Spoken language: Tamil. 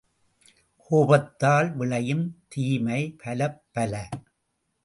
கோபத்தால் விளையும் தீமை பலப்பல.